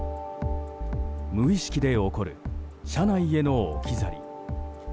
無意識で起こる車内への置き去り。